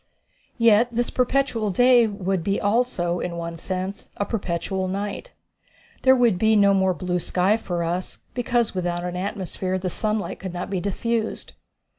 Yet this perpetual day would be also, in one sense, a perpetual night. There would be no more blue sky for us, because without an atmosphere the sunlight could not be diffused.